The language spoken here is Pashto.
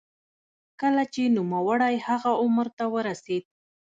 کله چې نوموړی هغه عمر ته ورسېد.